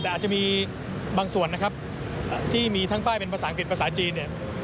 แต่อาจจะมีบางส่วนที่มีทั้งป้ายเป็นภาษาอังกฤษภาษาจีน